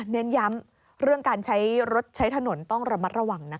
เน้นย้ำเรื่องการใช้รถใช้ถนนต้องระมัดระวังนะคะ